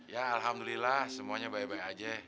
ya alhamdulillah semuanya baik baik aja